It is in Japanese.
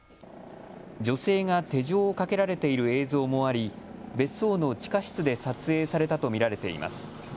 女性が手錠をかけられている映像もあり別荘の地下室で撮影されたと見られています。